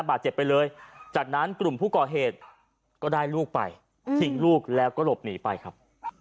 บาดเจ็บไปเลยจากนั้นกลุ่มผู้ก่อเหตุก็ได้ลูกไปทิ้งลูกแล้วก็หลบหนีไปครับ